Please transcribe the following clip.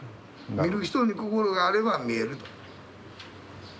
見る人に心があれば見えると。